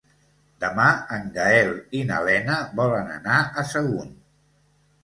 Demà en Gaël i na Lena volen anar a Sagunt.